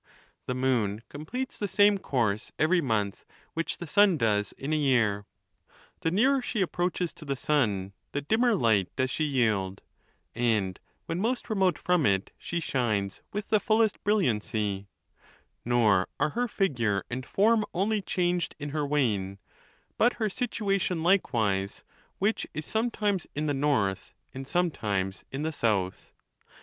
The moon completes the same course every month which the sun does in a year. The nearer she approaches to the sun, the dimmer light does she yield, and when most remote from it she shines with the fullest brilliancy; nor are her figure and form only changed in her wane, but her situation likewise, which is sometimes in the north and sometimes in the south.